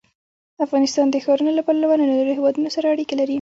افغانستان د ښارونه له پلوه له نورو هېوادونو سره اړیکې لري.